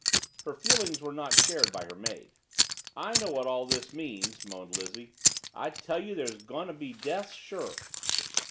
Her feelings were not shared by her maid. "I know what all this means," moaned Lizzie. "I tell you there's going to be a death, sure!"